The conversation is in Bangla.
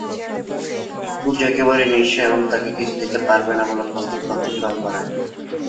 পূজা একেবারে নিঃস্ব এবং তাকে কিছু দিতে পারবেন না বলে প্রস্তাব প্রত্যাখ্যান করে।